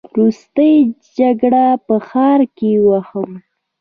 وروستی چکر په ښار کې وهم.